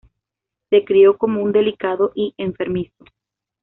Se crió como muy delicado y enfermizo.